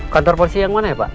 kantor polisi yang mana ya pak